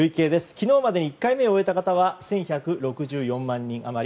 昨日までに１回目を終えた方は１１６４万人余り。